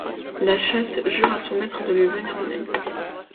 La chatte jure à son maître de lui venir en aide.